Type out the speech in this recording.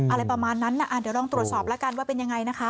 อะไรประมาณนั้นเดี๋ยวลองตรวจสอบแล้วกันว่าเป็นยังไงนะคะ